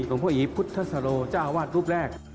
หลวงพ่ออีพุทธสโลจ้าวาดรูปแรก